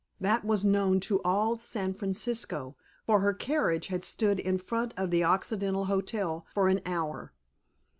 That was known to all San Francisco, for her carriage had stood in front of the Occidental Hotel for an hour.